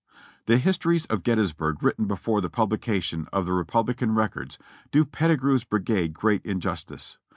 The histories of Gettysburg written before the publication of the Rebellion Records do Pettigrew's brigade great injustice.